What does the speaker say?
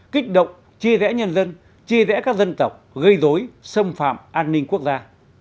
kích động chia rẽ nhân dân chia rẽ các dân tộc gây dối xâm phạm an ninh quốc gia